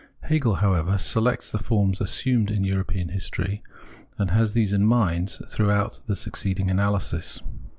Hegel, however, selects the forms assumed in European history, and has these in mind through out the succeeding analysis.